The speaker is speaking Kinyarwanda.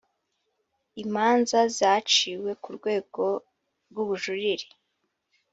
imanza zaciwe ku rwego rw’ubujurire